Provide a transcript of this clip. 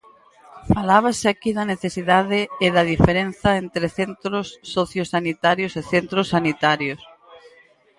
Falábase aquí da necesidade e da diferenza entre centros sociosanitarios e centros sanitarios.